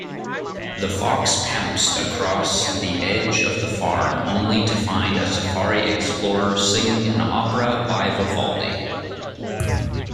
The fox pounced across the edge of the farm, only to find a safari explorer singing an opera by Vivaldi.